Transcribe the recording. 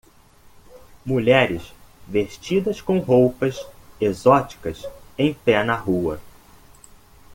Mulheres vestidas com roupas exóticas em pé na rua